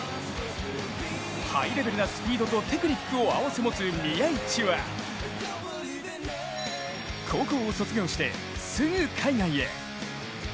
ハイレベルなスピードとテクニックを併せ持つ宮市は高校を卒業して、すぐ海外へ。